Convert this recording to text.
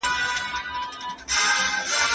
زه هم د اشنا د عشق یادګار یم.